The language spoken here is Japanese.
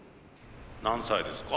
何歳ですか？